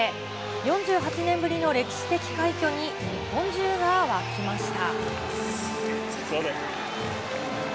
４８年ぶりの歴史的快挙に、日本中が沸きました。